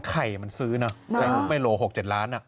ไข่มันซื้อน่ะไข่มุกเมโล๖๗ล้านน่ะ